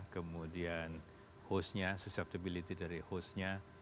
kemudian hostnya susceptability dari hostnya